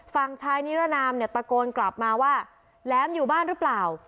ฝั่งชายนิรนามเนี่ยตะโกนกลับมาว่าแหลมอยู่บ้านหรือเปล่า